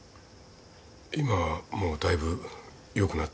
今はもうだいぶ良くなったんですが。